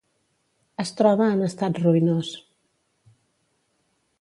Es troba en estat ruïnós.